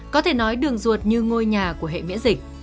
có thể nói đường ruột như ngôi nhà của hệ miễn dịch